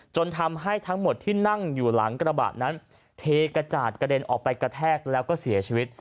จนทำให้ทั้งหมดที่นั่งอยู่หลังกระบะนั้นเทกระจาดกระเด็นออกไปกระแทกแล้วก็เสียชีวิต